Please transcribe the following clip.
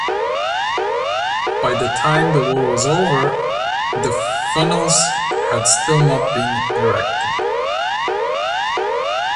By the time the war was over, the funnels had still not been erected.